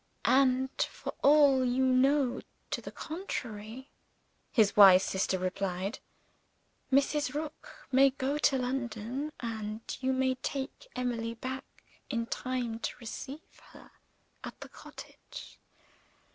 "And for all you know to the contrary," his wiser sister replied, "Mrs. Rook may go to London; and you may take Emily back in time to receive her at the cottage.